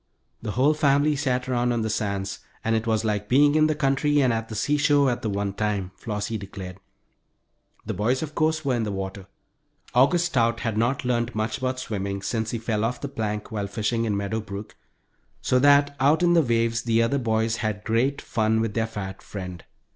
The whole family sat around on the sands, and it was like being in the country and at the seashore at the one time, Flossie declared. The boys, of course, were in the water. August Stout had not learned much about swimming since he fell off the plank while fishing in Meadow Brook, so that out in the waves the other boys had great fun with their fat friend.